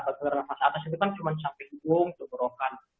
kedua nafas atas itu kan cuma sampai hidung keberokan